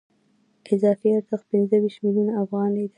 اضافي ارزښت پنځه ویشت میلیونه افغانۍ دی